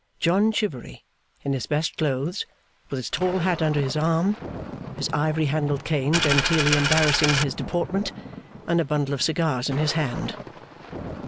John Chivery, in his best clothes, with his tall hat under his arm, his ivory handled cane genteelly embarrassing his deportment, and a bundle of cigars in his hand!